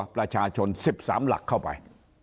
ประชาชน๑๓หลักเข้าไป